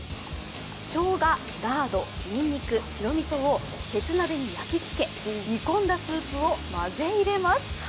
しょうが、ラード、にんにく、白みそを鉄鍋に焼きつけ煮込んだスープを混ぜ入れます。